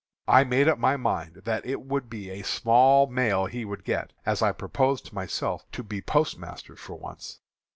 I made up my mind that it would be a small mail he would get, as I proposed to myself to be postmaster for once.